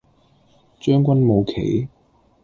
將軍冇棋